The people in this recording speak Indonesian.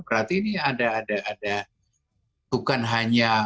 berarti ini ada ada ada bukan hanya